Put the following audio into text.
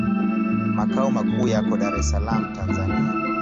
Makao makuu yako Dar es Salaam, Tanzania.